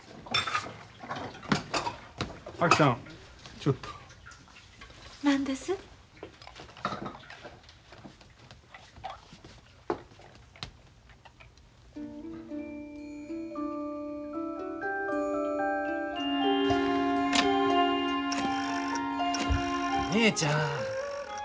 お姉ちゃん。